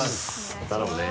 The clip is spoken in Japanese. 頼むね。